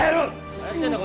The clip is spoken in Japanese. なにやってんだ。